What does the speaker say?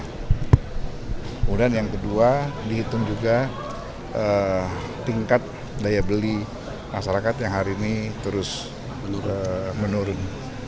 kemudian yang kedua dihitung juga tingkat daya beli masyarakat yang hari ini terus menurun